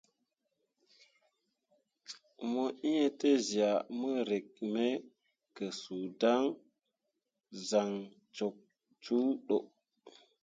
Mo ĩĩ tezyah mo rǝk me ke suu dan zah tok cuuro.